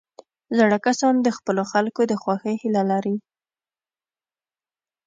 زاړه کسان د خپلو خلکو د خوښۍ هیله لري